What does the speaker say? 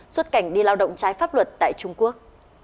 xuất cảnh đi lao động trái pháp luật tại trung quốc